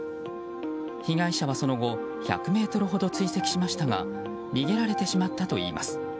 被害者はその後１００ｍほど追跡しましたが逃げられてしまったといいます。